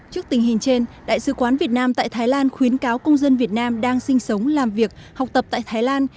trước tình hình trên đại sứ quán việt nam tại thái lan khuyến cáo công dân việt nam đang sinh sống làm việc học tập tại thái lan